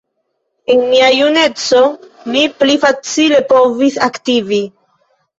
En mia juneco mi pli facile povis aktivi.